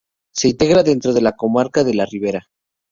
Se integra dentro de la comarca de La Ribera.